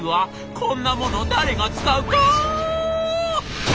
こんなもの誰が使うか！」。